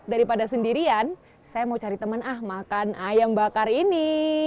daripada sendirian saya mau cari teman ah makan ayam bakar ini